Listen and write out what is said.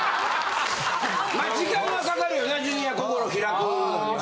まあ時間はかかるよなジュニア心開くのにはな。